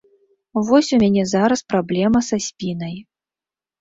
Вось у мяне зараз праблема са спінай.